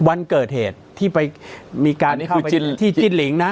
วันเกิดเหตุที่ไปมีเจ้าใจใจที่จิจลิงก์น่ะ